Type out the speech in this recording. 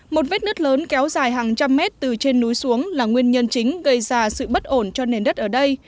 một vết nứt lớn kéo dài hàng trăm mét từ trên núi xuống là nguyên nhân chính gây ra sự bất ổn cho nền đất ở đây